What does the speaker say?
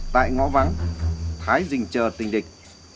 tại ngõ vắng thái dình chờ tình địch